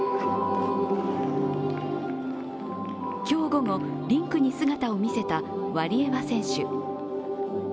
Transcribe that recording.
今日午後、リンクに姿を見せたワリエワ選手。